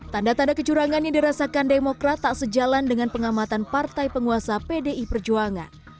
tanda tanda kecurangan yang dirasakan demokrat tak sejalan dengan pengamatan partai penguasa pdi perjuangan